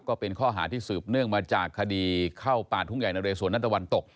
ก็เป็นข้อหาที่สืบเนื่องมาจากคดีเข้าป่าทุ่งใหญ่นะเรสวนด้านตะวันตก